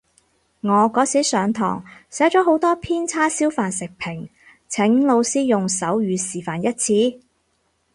我嗰時上堂寫咗好多篇叉燒飯食評，請老師用手語示範一次